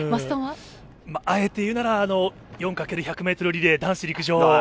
あえて言うなら４×１００ｍリレーの男子陸上。